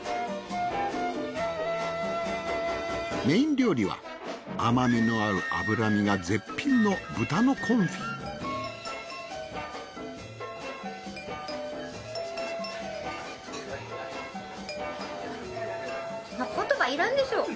メイン料理は甘みのある脂身が絶品の豚のコンフィ言葉いらんでしょ。